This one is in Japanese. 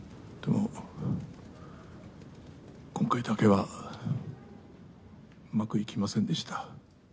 今回だけはうまくいきませんでした。